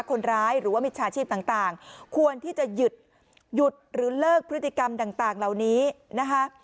หรือว่ามิจฉาชีพต่างควรที่จะหยุดหยุดหรือเลิกพฤติกรรมต่างเหล่านี้นะคะ